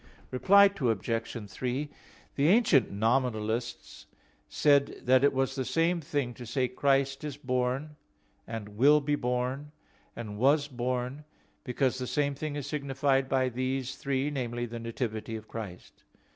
Reply Obj. 3: The ancient Nominalists said that it was the same thing to say "Christ is born" and "will be born" and "was born"; because the same thing is signified by these three viz. the nativity of Christ.